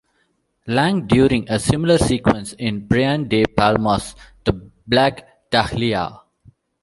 Lang during a similar sequence in Brian De Palma's "The Black Dahlia".